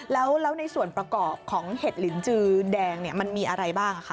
แล้วในส่วนประกอบของเห็ดลินจือแดงมันมีอะไรบ้างคะ